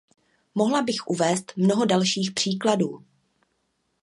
Mohla bych uvézt mnoho dalších příkladů.